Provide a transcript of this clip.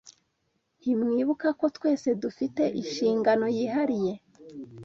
Ntimwibuka ko twese dufite inshingano yihariye?